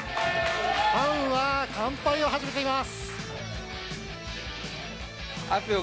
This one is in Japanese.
ファンは乾杯を始めています。